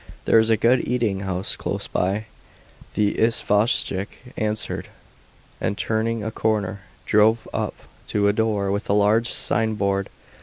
"There is a good eating house close by," the isvostchik answered, and turning a corner, drove up to a door with a large signboard.